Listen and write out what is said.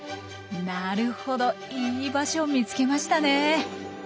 なるほどいい場所を見つけましたね！